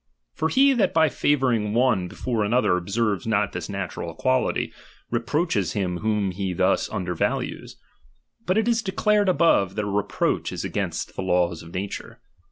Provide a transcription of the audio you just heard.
For he that by favour ing one before another observes not this natural equality, reproaches him whom he thus underva^ lues : but it is declared above, that a reproach is against the laws of nature.